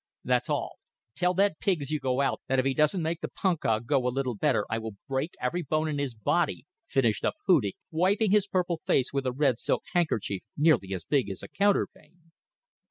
"That's all. Tell that pig as you go out that if he doesn't make the punkah go a little better I will break every bone in his body," finished up Hudig, wiping his purple face with a red silk handkerchief nearly as big as a counterpane.